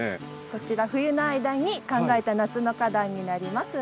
こちら冬の間に考えた夏の花壇になります。